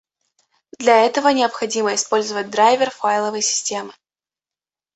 Для этого необходимо использовать драйвер файловой системы